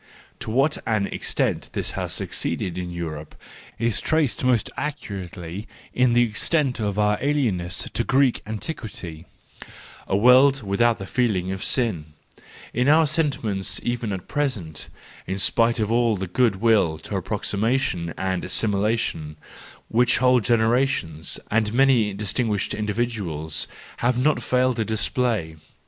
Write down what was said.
To what an extent this has suc¬ ceeded in Europe is traced most accurately in the extent of our alienness to Greek antiquity—a world without the feeling of sin—in our sentiments even at present; in spite of all the good will to approxi¬ mation and assimilation, which whole generations and many distinguished individuals have not failed to display.